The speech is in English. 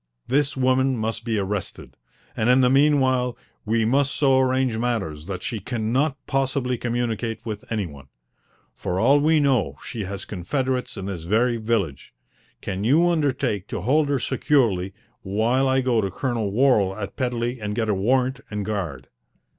"This woman must be arrested, and in the meanwhile we must so arrange matters that she cannot possibly communicate with any one. For all we know, she has confederates in this very village. Can you undertake to hold her securely while I go to Colonel Worral at Pedley and get a warrant and a guard?"